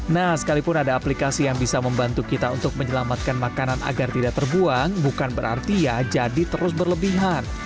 nah sekalipun ada aplikasi yang bisa membantu kita untuk menyelamatkan makanan agar tidak terbuang bukan berarti ya jadi terus berlebihan